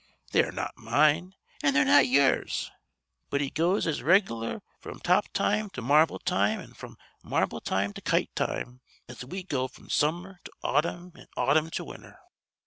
They are not mine, an' they're not ye'ers, but he goes as reg'lar fr'm top time to marble time an' fr'm marble time to kite time as we go fr'm summer to autumn an' autumn to winter.